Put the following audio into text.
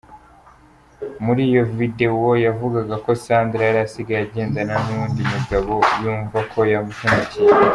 Muri iyo videwo, yavuga ko Sandra yarasigaye agendana n'uwundi mugabo, yumva ko yahemukiwe.